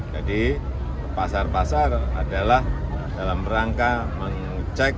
jadi pasar pasar adalah dalam rangka mengecek